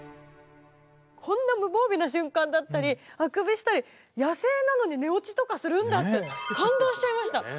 こんな無防備な瞬間だったりあくびしたり野生なのに寝落ちとかするんだって感動しちゃいました。